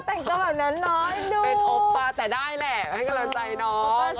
อันนั้นน้อยดูเป็นอับป้าแต่ได้แหละให้กำลังใจน้อง